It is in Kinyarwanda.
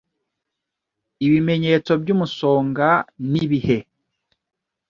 Ibimenyetso by’umusonga nibihe